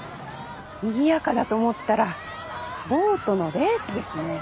にぎやかだと思ったらボートのレースですね。